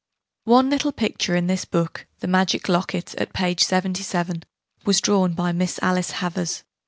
One little picture in this book, the Magic Locket, at p. 77, was drawn by 'Miss Alice Havers.'